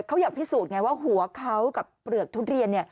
เขาอยากพิสูจน์ไงว่าหัวเขากับเปลือกทุเรียน